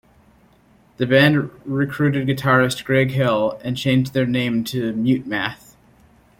The band recruited guitarist Greg Hill and changed their name to Mutemath.